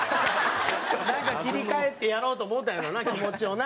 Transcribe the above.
なんか切り替えてやろうと思うたんやろな気持ちをな。